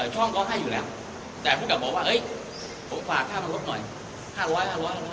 ช่องก็ก็ให้อยู่แหละแต่พวกเขาบอกต้องฝากค่ามารดหน่อย